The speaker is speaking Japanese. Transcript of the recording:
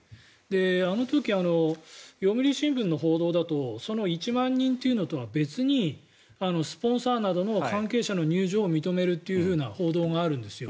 あの時、読売新聞の報道だとその１万人というのとは別にスポンサーなどの関係者の入場を認めるというような報道があるんですよ。